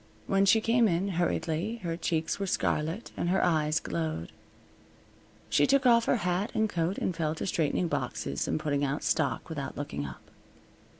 When she came in, hurriedly, her cheeks were scarlet and her eyes glowed. She took off her hat and coat and fell to straightening boxes and putting out stock without looking up.